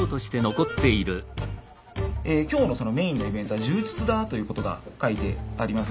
今日のメインのイベントが「柔術」だということが書いてあります。